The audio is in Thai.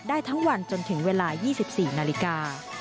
ได้ทั้งวันจนถึงเวลา๒๔นาฬิกา